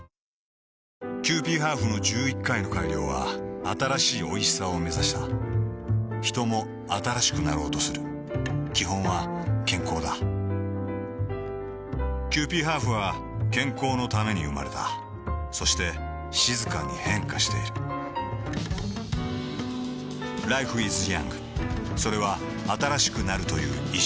キユーピーハーフの１１回の改良は新しいおいしさをめざしたヒトも新しくなろうとする基本は健康だキユーピーハーフは健康のために生まれたそして静かに変化しているＬｉｆｅｉｓｙｏｕｎｇ．それは新しくなるという意識